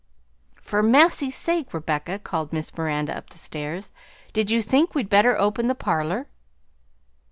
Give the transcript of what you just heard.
"For massy's sake, Rebecca," called Miss Miranda up the stairs, "did you think we'd better open the parlor?"